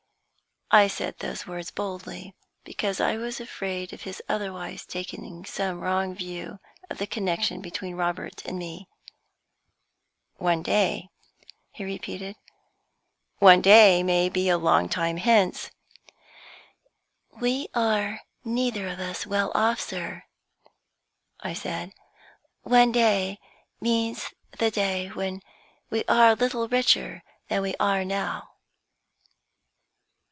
I said those words boldly, because I was afraid of his otherwise taking some wrong view of the connection between Robert and me "One day?" he repeated. "One day may be a long time hence." "We are neither of us well off, sir," I said. "One day means the day when we are a little richer than we are now."